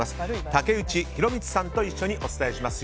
竹内弘光さんと一緒にお伝えします。